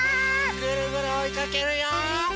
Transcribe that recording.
ぐるぐるおいかけるよ！